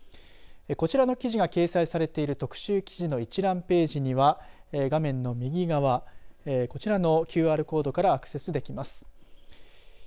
こちらの記事が掲載されている特集記事の一覧ページには画面の右側こちらのＱＲコードからアクセスできます。